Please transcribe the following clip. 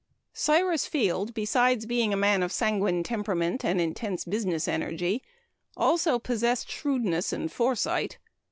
_ Cyrus Field, besides being a man of sanguine temperament and intense business energy, also possessed shrewdness and foresight.